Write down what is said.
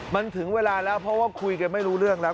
มันถึงเวลาแล้วเพราะว่าคุยกันไม่รู้เรื่องแล้ว